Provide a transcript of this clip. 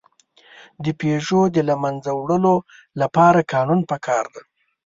د پيژو د له منځه وړلو لپاره قانون پکار دی.